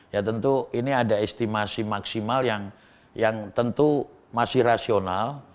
ya tentu ini ada estimasi maksimal yang tentu masih rasional